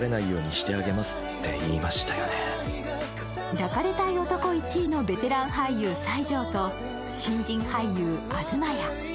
抱かれたい男１位のベテラン俳優、西條と新人俳優・東谷。